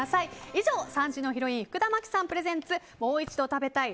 以上、３時のヒロイン福田麻貴さんプレゼンツもう一度食べたい！